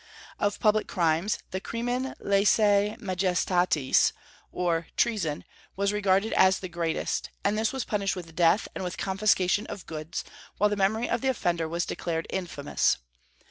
Of public crimes the crimen laesae majestatis, or treason, was regarded as the greatest; and this was punished with death and with confiscation of goods, while the memory of the offender was declared infamous.